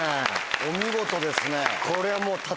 お見事ですね。